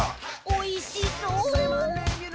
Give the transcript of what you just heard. おいしそう。